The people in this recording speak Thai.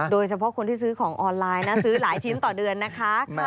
โดยเฉพาะคนที่ซื้อของออนไลน์นะซื้อหลายชิ้นต่อเดือนนะคะ